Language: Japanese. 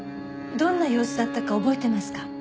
どんな様子だったか覚えてますか？